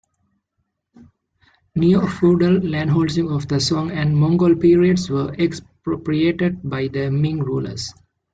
Neo-feudal landholdings of the Song and Mongol periods were expropriated by the Ming rulers.